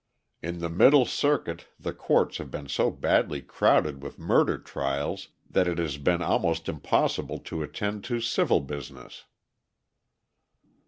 In the middle circuit the courts have been so badly crowded with murder trials that it has been almost impossible to attend to civil business."